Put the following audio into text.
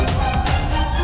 apa tak boleh